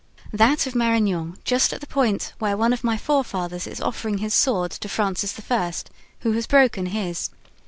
"That of Marignan, just at the point where one of my forefathers is offering his sword to Francis I., who has broken his.